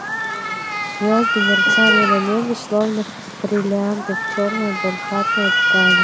Звезды мерцали на небе, словно бриллианты в черной бархатной ткани.